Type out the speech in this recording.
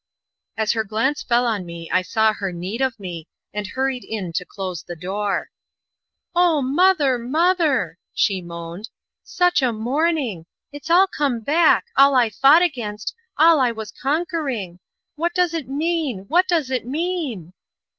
As her glance fell on me I saw her need of me, and hurried in to close the door. "Oh, mother; mother!" she moaned. "Such a morning! It's all come back all I fought against all I was conquering. What does it mean? What does it mean?"